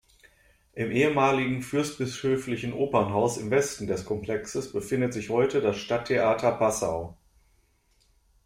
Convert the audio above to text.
Im ehemaligen "fürstbischöflichen Opernhaus" im Westen des Komplexes befindet sich heute das Stadttheater Passau.